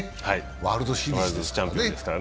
ワールドシリーズですからね。